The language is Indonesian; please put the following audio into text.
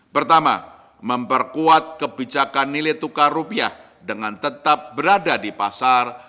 pertama memperkuat kebijakan nilai tukar rupiah dengan tetap berada di pasar